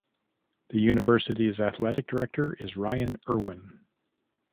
The university's athletic director is Ryan Erwin.